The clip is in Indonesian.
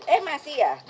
eh masih ya